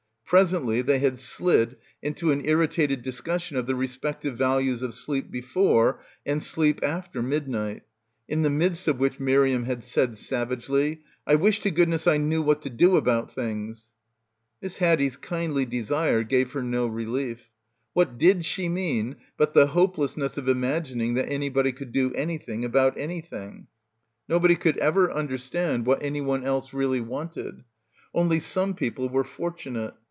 Presently they had slid into an irritated discussion of the respective values of sleep before and sleep after midnight, in the midst of which Miriam had said savagely, "I wish to goodness I knew what to do about things." Miss Haddie's kindly desire gave her no relief. What did she mean but the hopelessness of im agining that anybody could do anything about anything. Nobody could ever understand what — 164 — BACKWATER anyone else really wanted. Only some people were fortunate.